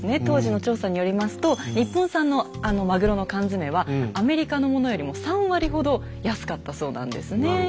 当時の調査によりますと日本産のあのマグロの缶詰はアメリカのものよりも３割ほど安かったそうなんですね。